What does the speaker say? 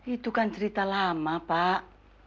itu kan cerita lama pak